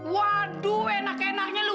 waduh enak enaknya lu